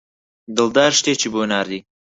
دڵدار شتێکی بۆ ناردی.